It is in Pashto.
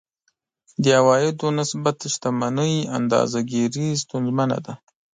د عوایدو نسبت شتمنۍ اندازه ګیري ستونزمنه ده.